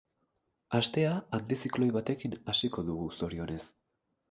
Astea antizikloi batekin hasiko dugu, zorionez.